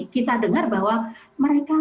kita dengar bahwa mereka